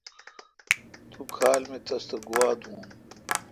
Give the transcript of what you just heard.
تو کھال مے°تس تہ گوا دون۔